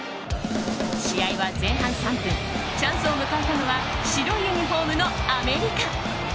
試合は前半３分チャンスを迎えたのは白いユニホームのアメリカ。